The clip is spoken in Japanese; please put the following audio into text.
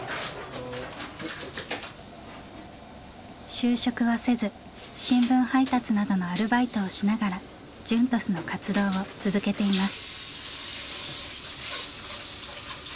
就職はせず新聞配達などのアルバイトをしながらＪＵＮＴＯＳの活動を続けています。